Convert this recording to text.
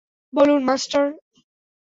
বলুন, মাস্টার।